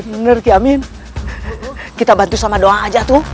keluarkan semua jurusmu